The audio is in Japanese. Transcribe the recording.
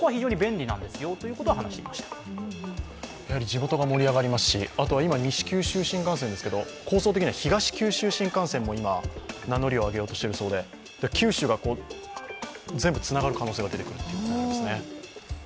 地元が盛り上がりますし、今、西九州新幹線ですけど、構想的には東九州新幹線も今、名乗りを上げようとしているそうで九州が全部つながる可能性が出てくることになりますね。